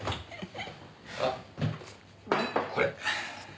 あっこれ。